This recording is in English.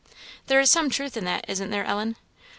"There is some truth in that, isn't there, Ellen?"